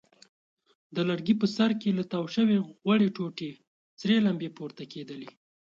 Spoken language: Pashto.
د لرګي په سر کې له تاو شوې غوړې ټوټې سرې لمبې پورته کېدلې.